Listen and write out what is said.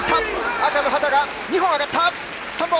赤の旗が３本上がった！